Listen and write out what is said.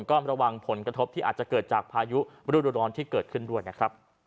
ก็ระวังผลกระทบที่อาจจะเกิดจากพายุฤดูร้อนที่เกิดขึ้นด้วยนะครับ